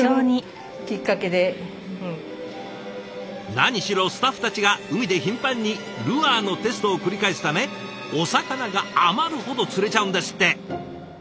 何しろスタッフたちが海で頻繁にルアーのテストを繰り返すためお魚が余るほど釣れちゃうんですって。